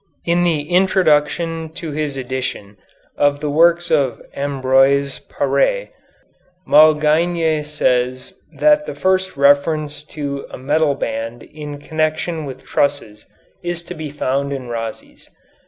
In the introduction to his edition of the works of Ambroise Paré, Malgaigne says that the first reference to a metal band in connection with trusses is to be found in Rhazes.